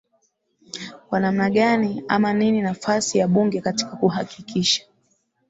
kwa namna gani ama nini nafasi ya bunge katika kuhakikisha